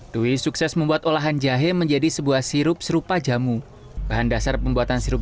dwi sukses membuat olahan jahe menjadi sebuah sirup serupa jamu bahan dasar pembuatan sirup